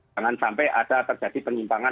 jangan sampai ada terjadi penyimpangan